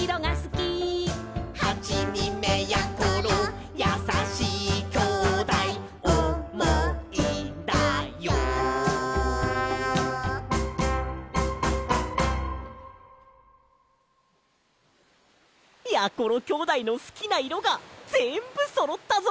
きょうだいのすきないろがぜんぶそろったぞ！